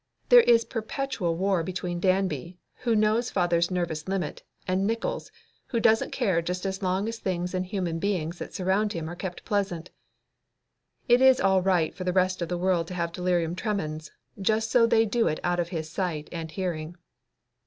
There is perpetual war between Dabney, who knows father's nervous limit, and Nickols, who doesn't care just as long as things and human beings that surround him are kept pleasant. It is all right for the rest of the world to have delirium tremens, just so they do it out of his sight and hearing.